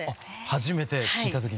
初めて聴いた時に？